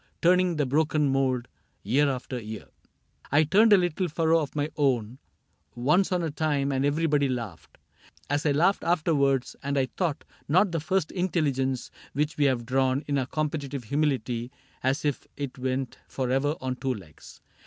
Turning the broken mould, year after year.' ..." I turned a little furrow of my own Once on a time, and everybody laughed — As I laughed afterwards ; and I doubt not The First Intelligence, which we have drawn In our competitive humility As if it went forever on two legs.